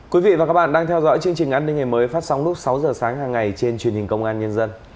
quý vị và các bạn đang theo dõi chương trình an ninh ngày mới phát sóng lúc sáu giờ sáng hàng ngày trên truyền hình công an nhân dân